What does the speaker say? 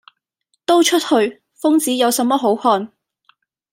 「都出去！瘋子有什麼好看！」